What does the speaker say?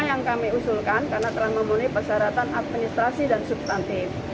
yang kami usulkan karena telah memenuhi persyaratan administrasi dan substantif